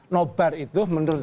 nobar itu menurut